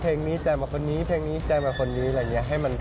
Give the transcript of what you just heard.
เพลงนี้ใจมาคนนี้เพลงนี้ใจมาคนนี้อะไรอย่างนี้